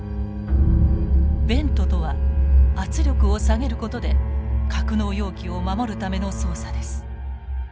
ベントとは圧力を下げることで格納容器を守るための操作です。